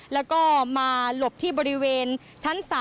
แล้วก็มาหลบที่บริเวณชั้น๓